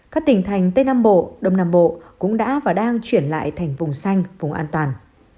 các tỉnh thành tây nam bộ đông nam bộ cũng đã và đang chuyển lại thành vùng xanh vùng an toàn